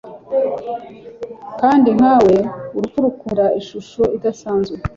kandi nkawe urupfu rukunda ishusho idasanzwe